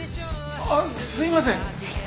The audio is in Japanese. あすいません。